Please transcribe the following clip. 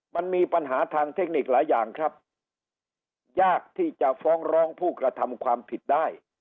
มันมีปัญหาทางเทคนิคหลายอย่างครับยากที่จะฟ้องร้องผู้กระทำความผิดได้